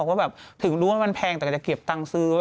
ว่าถึงรู้ว่ามันแพงแต่ก็จะเก็บตังซื้อ